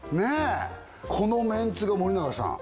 このメンツが森永さん